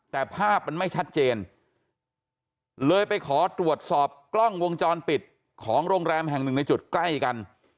แต่ภาพมันไม่ชัดเจนเลยไปขอตรวจสอบกล้องวงจรปิดของโรงแรมแห่งหนึ่งในจุดใกล้กัน